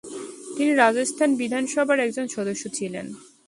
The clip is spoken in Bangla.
তিনি রাজস্থান বিধানসভার একজন সদস্য ছিলেন।